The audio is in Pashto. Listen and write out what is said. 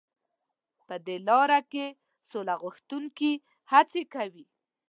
په دې لاره کې سوله غوښتونکي هڅې کوي.